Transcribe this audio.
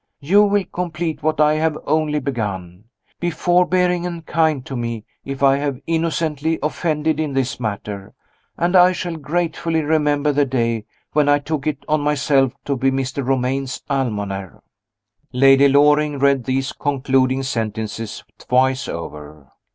You will complete what I have only begun. Be forbearing and kind to me if I have innocently offended in this matter and I shall gratefully remember the day when I took it on myself to be Mr. Romayne's almoner." Lady Loring read these concluding sentences twice over.